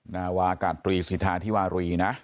นาวากาศตรีสิทธาธิวารีนะ